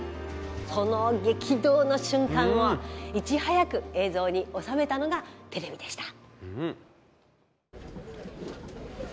その激動の瞬間をいち早く映像に収めたのがテレビでした。